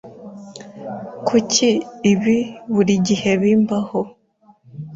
Kuki ibi buri gihe bimbaho?